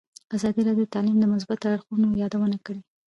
ازادي راډیو د تعلیم د مثبتو اړخونو یادونه کړې.